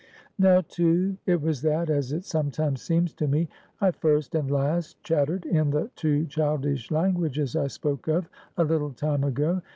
"Now, too, it was that, as it sometimes seems to me, I first and last chattered in the two childish languages I spoke of a little time ago.